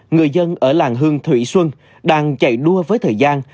người dân ở làng hương thủy xuân đang chạy đua với thời gian